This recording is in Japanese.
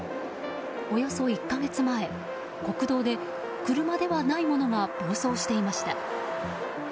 およそ１か月前、国道で車ではないものが暴走していました。